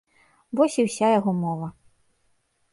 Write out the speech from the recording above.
Вось і ўся яго мова.